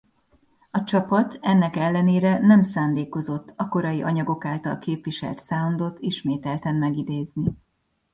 A csapat ennek ellenére nem szándékozott a korai anyagok által képviselt soundot ismételten megidézni.